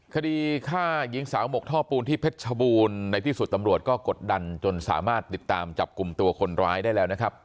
คดีฆ่าหญิงสาวหมกท่อปูนที่เพชรชบูรณ์ในที่สุดตำรวจก็กดดันจนสามารถติดตามจับกลุ่มตัวคนร้ายได้แล้วนะครับ